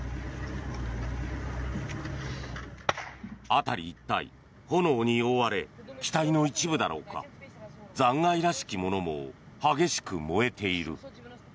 辺り一帯、炎に覆われ機体の一部だろうか残骸らしきものも激しく燃えている。